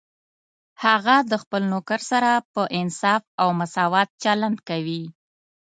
هغه د خپل نوکر سره په انصاف او مساوات چلند کوي